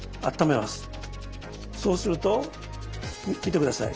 そうすると見て下さい。